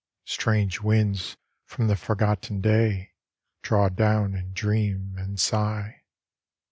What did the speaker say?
Strange winds from the forgotten day Draw down, and dream, and sigh.